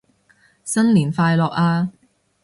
新年快樂啊